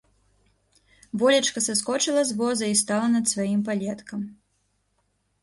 Волечка саскочыла з воза і стала над сваім палеткам.